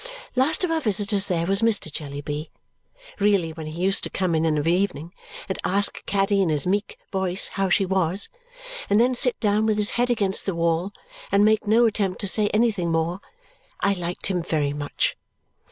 Last of our visitors, there was Mr. Jellyby. Really when he used to come in of an evening, and ask Caddy in his meek voice how she was, and then sit down with his head against the wall, and make no attempt to say anything more, I liked him very much.